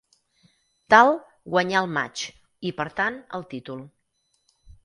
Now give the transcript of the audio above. Tal guanyà el matx i per tant, el títol.